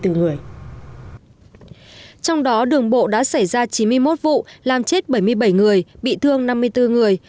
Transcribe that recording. trong đó đường bộ đã xảy ra chín mươi một vụ làm chết bảy mươi bảy người bị thương năm mươi bốn người